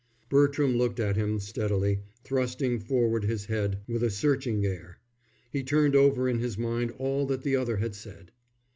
Bertram looked at him steadily, thrusting forward his head with a searching air. He turned over in his mind all that the other had said.